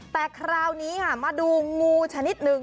แต่คราวนี้ค่ะมาดูงูชนิดหนึ่ง